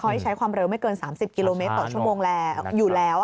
เขาจะใช้ความเร็วไม่เกินสามสิบกิโลเมตรต่อชั่วโมงอยู่แล้ว